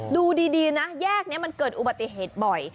ดูดีนะแยกนี้มันเกิดอุบัติเหตุบ่อย